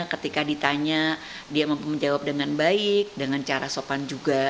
ketika ditanya dia mampu menjawab dengan baik dengan cara sopan juga